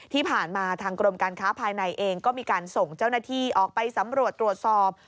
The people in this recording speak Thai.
ที่ผ่านมาทางกรมการค้าภายในเองก็มีการส่งเจ้าหน้าที่ออกไปสำรวจตรวจสอบ